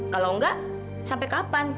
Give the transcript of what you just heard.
kalau enggak sampai kapan